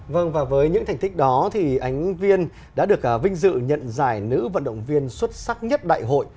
vâng và với những thành tích đó thì ánh viên đã được vinh dự nhận giải nữ vận động viên xuất sắc nhất đại hội